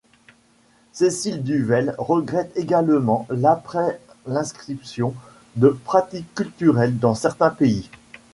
Cécile Duvelle regrette également l’ après l’inscription de pratiques culturelles dans certains pays.